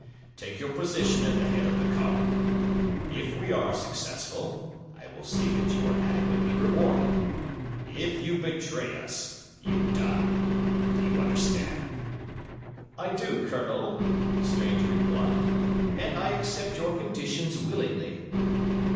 Take your position at the head of the column. If we are successful, I will see that you are adequately rewarded; if you betray us—you die. Do you understand?" "I do, Colonel," the stranger replied, "and I accept your conditions willingly."